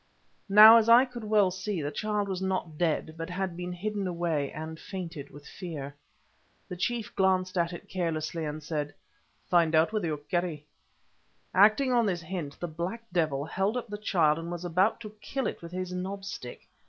Now, as I could well see, the child was not dead, but had been hidden away, and fainted with fear. The chief glanced at it carelessly, and said— "Find out with your kerrie." Acting on this hint the black devil held up the child, and was about to kill it with his knobstick.